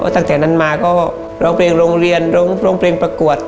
ตั้งแต่นั้นมาก็ร้องเพลงโรงเรียนร้องเพลงประกวด